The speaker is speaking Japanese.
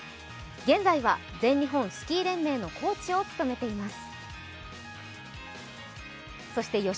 現在は全日本スキー連盟のコーチを務めています。